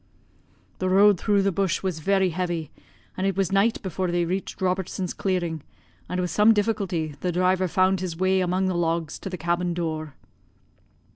The road through the bush was very heavy, and it was night before they reached Robertson's clearing, and with some difficulty the driver found his way among the logs to the cabin door.